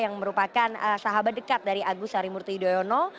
yang merupakan sahabat dekat dari agus harimurti yudhoyono